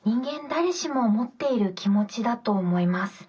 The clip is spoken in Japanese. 誰しも持っている気持ちだと思います。